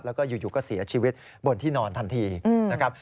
แล้วก็อยู่ก็เสียชีวิตบนที่นอนทันทีนะครับ